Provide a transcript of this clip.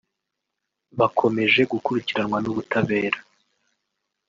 bakomeje gukurikiranwa n’ubutabera